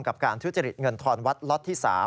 การทุจริตเงินทอนวัดล็อตที่๓